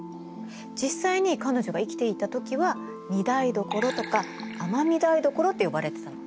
実際に彼女が生きていた時は御台所とか尼御台所って呼ばれてたの。